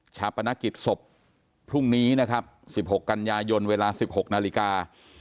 ชาปนกิจศพพรุ่งนี้นะครับ๑๖กันยายนเวลา๑๖นาฬิกา